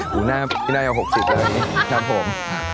หน้าปิ๊บหน้าอยู่๖๐แล้วอีกครับผม